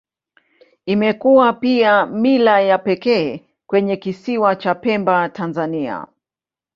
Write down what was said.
Imekuwa pia mila ya pekee kwenye Kisiwa cha Pemba, Tanzania.